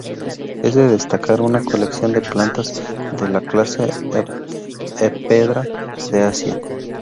Es de destacar una colección de plantas de la clase Ephedra de Asia.